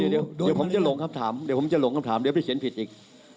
เดี๋ยวผมจะหลงคำถามเดี๋ยวผมจะหลงคำถามเดี๋ยวไปเขียนผิดอีก